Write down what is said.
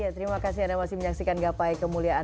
terima kasih anda masih menyaksikan gapai kemuliaan